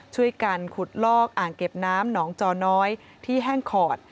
ช่วยกันขุดลอกอ่างเก็บน้ำหนองจอน้อยที่แห้งขอด